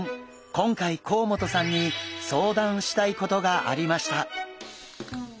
今回甲本さんに相談したいことがありました。